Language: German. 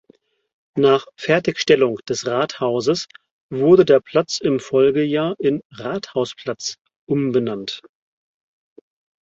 Nach Fertigstellung des Rathauses wurde der Platz im Folgejahr in "Rathausplatz" umbenannt.